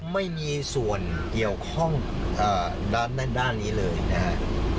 ไม่มีส่วนเกี่ยวข้องด้านนี้เลยนะครับ